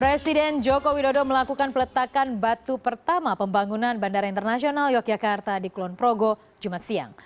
presiden joko widodo melakukan peletakan batu pertama pembangunan bandara internasional yogyakarta di kulon progo jumat siang